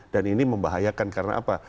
dan ini membahayakan karena apa